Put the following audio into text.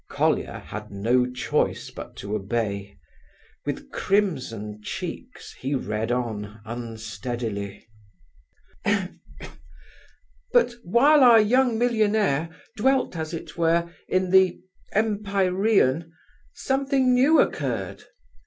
Colia had no choice but to obey. With crimson cheeks he read on unsteadily: "But while our young millionaire dwelt as it were in the Empyrean, something new occurred.